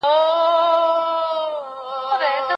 په لاس لیکلنه د ماشین له بې روحۍ سره توپیر لري.